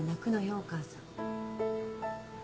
お母さん。